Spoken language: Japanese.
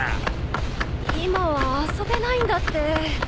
今は遊べないんだって。